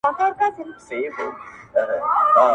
جهاني رامعلومېږي د شفق له خوني سترګو٫